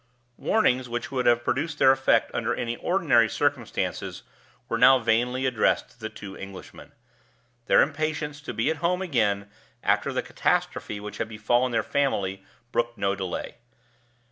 Warnings which would have produced their effect under any ordinary circumstances were now vainly addressed to the two Englishmen. Their impatience to be at home again, after the catastrophe which had befallen their family, brooked no delay.